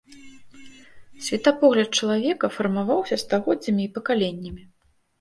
Светапогляд чалавека фармаваўся стагоддзямі і пакаленнямі.